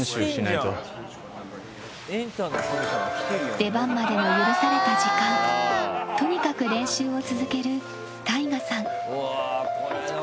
出番までの許された時間とにかく練習を続けるＴＡＩＧＡさん。